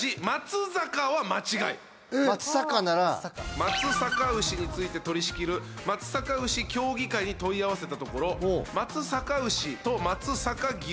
松阪牛について取り仕切る松阪牛協議会に問い合わせたところ「まつさかうし」と「まつさかぎゅう」